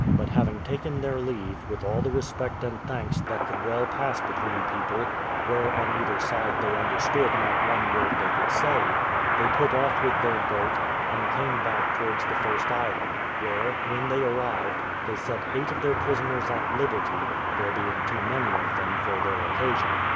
But having taken their leave, with all the respect and thanks that could well pass between people, where on either side they understood not one word they could say, they put off with their boat, and came back towards the first island; where, when they arrived, they set eight of their prisoners at liberty, there being too many of them for their occasion.